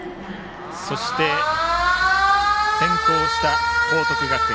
そして先行した報徳学園。